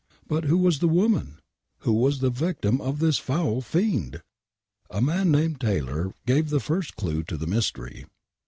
But who was the woman ? Who was the victim of this foul fiend ? A man named Taylor gave the first clue to the mystery.